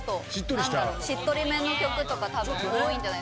しっとりめの曲とか多いんじゃないですかね。